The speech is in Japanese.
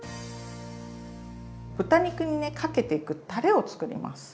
豚肉にねかけていくたれを作ります。